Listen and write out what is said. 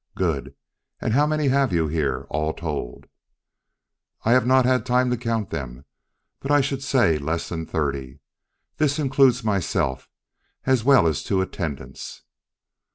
"Good! And how many have you here, all told?" "I have not had time to count them, but I should say less than thirty. This includes myself, as well as two attendants."